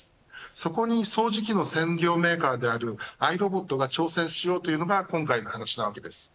そこに掃除機の専業メーカーであるアイロボットが挑戦しようというのが今回の話です。